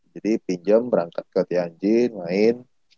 jadi pinjem berangkat ke tianjin main